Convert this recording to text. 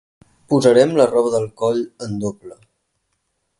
Posarem la roba del coll en doble.